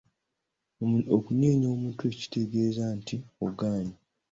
Okunyeenya omutwe kitegeeza nti: Ogaanye.